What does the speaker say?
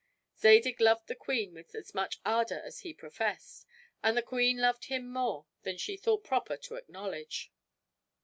Zadig loved the queen with as much ardor as he professed; and the queen loved him more than she thought proper to acknowledge.